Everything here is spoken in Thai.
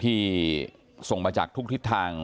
ที่ส่งมาจากทุกทิศทาง